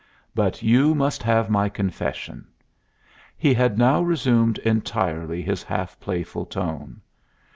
But you must have my confession." He had now resumed entirely his half playful tone.